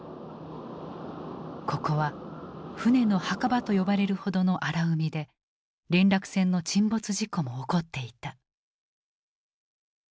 ここは船の墓場と呼ばれるほどの荒海で連絡船の沈没事故も起こっていた。